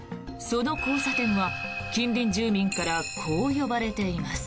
その交差点は近隣住民からこう呼ばれています。